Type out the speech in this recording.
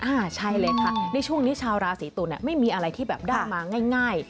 ใช่เลยค่ะในช่วงนี้ชาวราศีตุลไม่มีอะไรที่แบบได้มาง่าย